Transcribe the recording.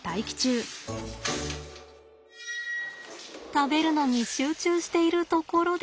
食べるのに集中しているところで。